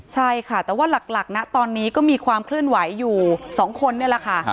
ใช่ค่ะแต่ว่าหลักนะตอนนี้ก็มีความเคลื่อนไหวอยู่๒คนนี่แหละค่ะ